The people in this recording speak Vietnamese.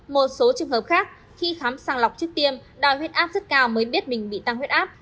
một số trường hợp khác khi khám sàng lọc trước tiên đòi huyết áp rất cao mới biết mình bị tăng huyết áp